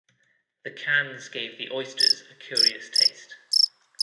The cans gave the oysters a curious taste.